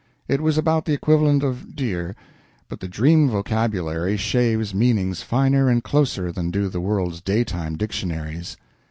It was about the equivalent of "dear," but the dream vocabulary shaves meanings finer and closer than do the world's daytime dictionaries.